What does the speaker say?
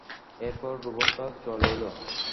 এরপর, রোবটরা চলে এলো।